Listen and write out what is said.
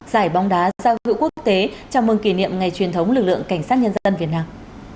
giải bóng đá giao hữu quốc tế chào mừng kỷ niệm ngày truyền thống lực lượng cảnh sát nhân dân việt nam